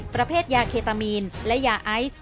ประเภทยาเคตามีนและยาไอซ์